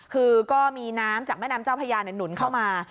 คือก็มีน้ำจากแม่น้ำเจ้าพญาหนุนเข้ามา